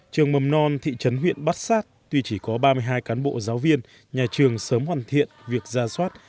trường mầm non thị trấn huyện bát sát tuy chỉ có ba mươi hai cán bộ giáo viên nhà trường sớm hoàn thiện việc ra soát